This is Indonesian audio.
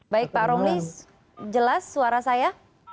baik pak romli jelas suara saya